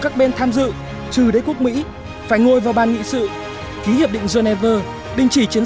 các bên tham dự trừ đế quốc mỹ phải ngồi vào ban nghị sự ký hiệp định geneva đình chỉ chiến